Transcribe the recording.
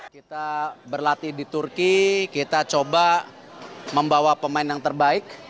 kita berlatih di turki kita coba membawa pemain yang terbaik